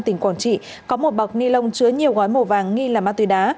tỉnh quảng trị có một bọc ni lông chứa nhiều gói màu vàng nghi là ma túy đá